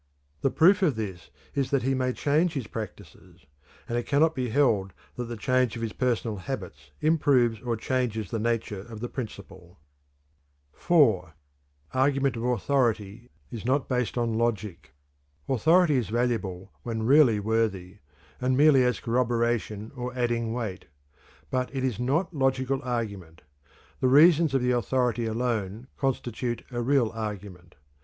The proof of this is that he may change his practices; and it cannot be held that the change of his personal habits improves or changes the nature of the principle. (4) Argument of authority is not based on logic. Authority is valuable when really worthy, and merely as corroboration or adding weight; but it is not logical argument. The reasons of the authority alone constitute a real argument.